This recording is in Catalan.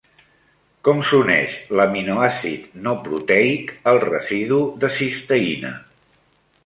Com s'uneix l'aminoàcid no proteic al residu de cisteïna?